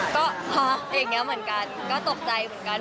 ก็เหมือนกันก็ตกใจเหมือนกัน